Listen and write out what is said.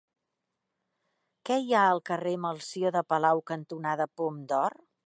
Què hi ha al carrer Melcior de Palau cantonada Pom d'Or?